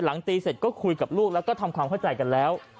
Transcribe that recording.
ตีเสร็จก็คุยกับลูกแล้วก็ทำความเข้าใจกันแล้ว